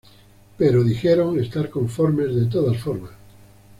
Pero dijeron estar conformes de todas formas.